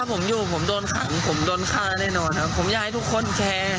ถ้าผมอยู่ผมโดนขังผมโดนฆ่าแน่นอนครับ